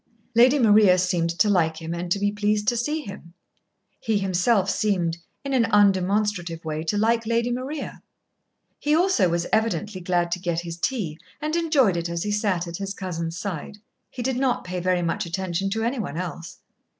Lady Maria seemed to like him and to be pleased to see him. He himself seemed, in an undemonstrative way, to like Lady Maria. He also was evidently glad to get his tea, and enjoyed it as he sat at his cousin's side. He did not pay very much attention to any one else.